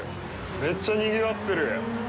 めっちゃにぎわってる。